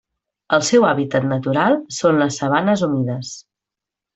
El seu hàbitat natural són les sabanes humides.